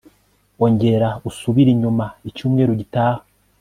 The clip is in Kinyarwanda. ongera usubire inyuma icyumweru gitaha